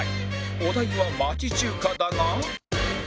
お題は町中華だが